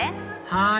はい！